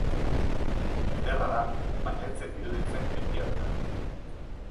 Ederra da, baina ez zait iruditzen egia dela.